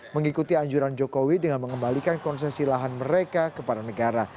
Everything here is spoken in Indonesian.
mengikuti anjuran jokowi dengan mengembalikan konsesi lahan mereka kepada negara